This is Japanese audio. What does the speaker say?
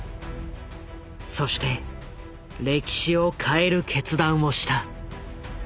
そして歴史を変える決断をした。